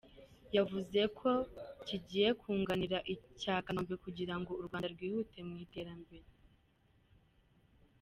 Yavuze ko kigiye kunganira icya Kanombe kugira ngo u Rwanda rwihute mu iterambere.